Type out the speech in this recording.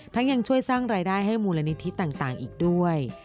ยังช่วยสร้างรายได้ให้มูลนิธิต่างอีกด้วย